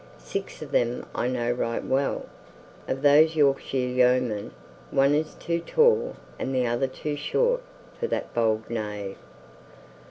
"Six of them I know right well. Of those Yorkshire yeomen, one is too tall and the other too short for that bold knave.